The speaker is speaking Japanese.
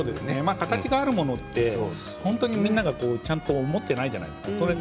形があるものってみんな本当にちゃんと持っていないじゃないですか。